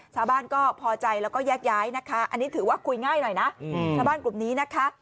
ชาวบ้านก็พอใจแล้วก็แยกย้ายนะคะอันนี้ถือว่าคุยง่ายหน่อยนะชาวบ้านกลุ่มนี้นะคะ